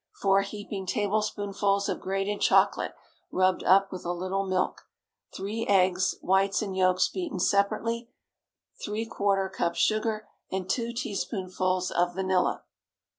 4 heaping tablespoonfuls of grated chocolate, rubbed up with a little milk. 3 eggs, whites and yolks beaten separately. ¾ cup sugar and 2 teaspoonfuls of vanilla.